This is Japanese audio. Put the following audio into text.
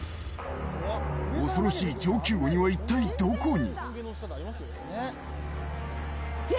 恐ろしい上級鬼は一体どこに？